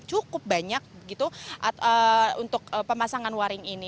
cukup banyak gitu untuk pemasangan waring ini